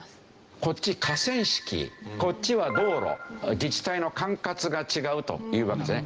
こっち河川敷こっちは道路自治体の管轄が違うというわけですね。